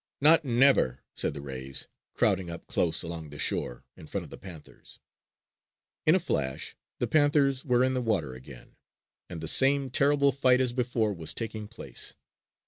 "Not never!" said the rays, crowding up close along the shore in front of the panthers. In a flash, the panthers were in the water again, and the same terrible fight as before was taking place.